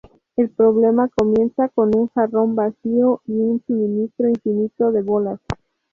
El problema comienza con un jarrón vacío y un suministro infinito de bolas.